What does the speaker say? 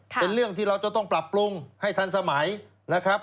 เป็นเรื่องที่เราจะต้องปรับปรุงให้ทันสมัยนะครับ